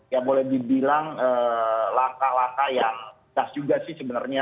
ya boleh dibilang langkah langkah yang pas juga sih sebenarnya